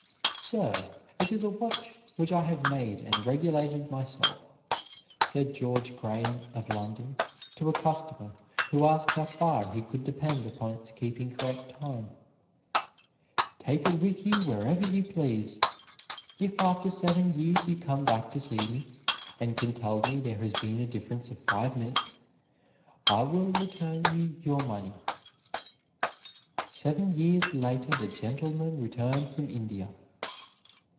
"Sir, it is a watch which I have made and regulated myself," said George Graham of London to a customer who asked how far he could depend upon its keeping correct time; "take it with you wherever you please. If after seven years you come back to see me, and can tell me there has been a difference of five minutes, I will return you your money." Seven years later the gentleman returned from India.